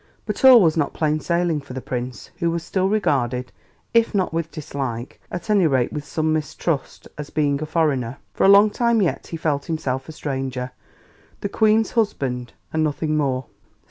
] But all was not plain sailing for the Prince, who was still regarded, if not with dislike, at any rate with some mistrust, as being a foreigner. For a long time yet he felt himself a stranger, the Queen's husband and nothing more.